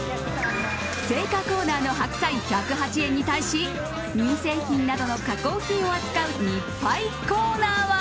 青果コーナーの白菜１０８円に対し乳製品などの加工品を扱う日配コーナーは。